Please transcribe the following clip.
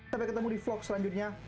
tapi ketemu di vlog selanjutnya